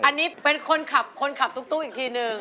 อันนี้เป็นคนขับคนขับตุ๊กอีกทีนึง